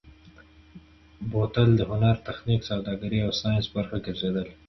بوتل د هنر، تخنیک، سوداګرۍ او ساینس برخه ګرځېدلی.